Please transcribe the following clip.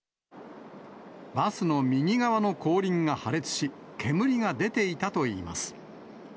バスの右側の後輪が破裂し、煙が出ていたといいます。